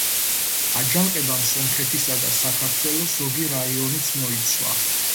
აჯანყებამ სომხეთისა და საქართველოს ზოგი რაიონიც მოიცვა.